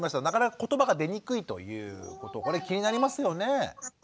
なかなかことばが出にくいということこれ気になりますよね？